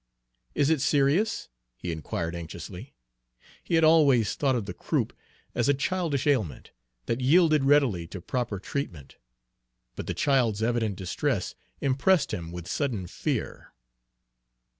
"Is it serious?" he inquired anxiously. He had always thought of the croup as a childish ailment, that yielded readily to proper treatment; but the child's evident distress impressed him with sudden fear.